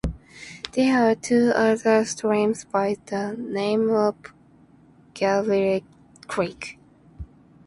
There are two other streams by the name of Gabriel Creek (no s).